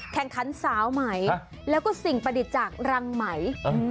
สาวไหมแล้วก็สิ่งประดิษฐ์จากรังไหม